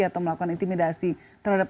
atau melakukan intimidasi terhadap